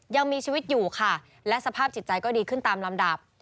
ยังมีชีวิตอยู่ค่ะและสภาพจิตใจก็ดีขึ้นตามลำดับ